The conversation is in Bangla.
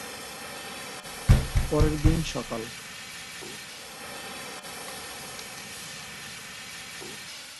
পরের দিন সকাল।